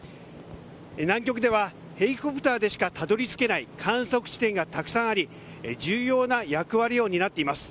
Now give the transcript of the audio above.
南極ではヘリコプターでしかたどり着けない観測地点がたくさんあり重要な役割を担っています。